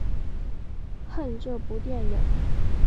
恨这部电影！